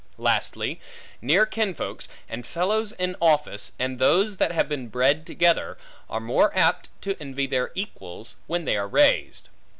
Lastly, near kinsfolks, and fellows in office, and those that have been bred together, are more apt to envy their equals, when they are raised.